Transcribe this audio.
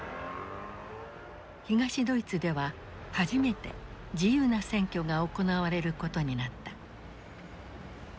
東ドイツでは初めて自由な選挙が行われることになった。